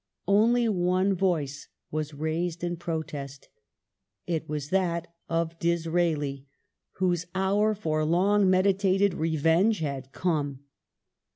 Only one voice was raised in protest. It was that of Disraeli, whose hour for long meditated revenge had come.